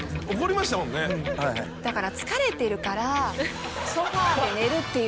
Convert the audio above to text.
だから。